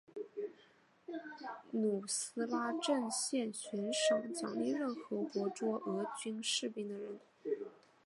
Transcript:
努斯拉阵线悬赏奖励任何活捉俄军士兵的人。